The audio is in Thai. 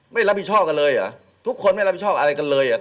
ไม่รับผิดชอบกันเลยเหรอทุกคนไม่รับผิดชอบอะไรกันเลยอ่ะ